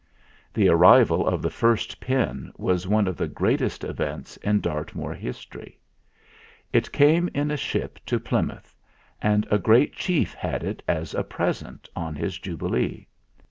The arrival of the first pin was one of the greatest events in Dartmoor history. It came in a ship to Plymouth, and a great chief had it as a present on his jubilee.